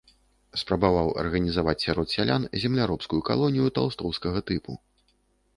Спрабаваў арганізаваць сярод сялян земляробскую калонію талстоўскага тыпу.